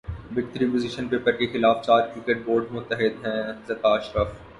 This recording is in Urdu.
بگ تھری پوزیشن پیپر کے خلاف چار کرکٹ بورڈز متحد ہیںذکا اشرف